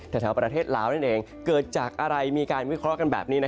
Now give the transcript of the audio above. แถวประเทศลาวนั่นเองเกิดจากอะไรมีการวิเคราะห์กันแบบนี้